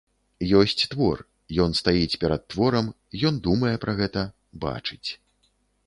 Ёсць твор, ён стаіць перад творам, ён думае пра гэта, бачыць.